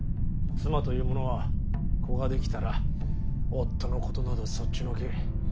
妻というものは子ができたら夫のことなどそっちのけ。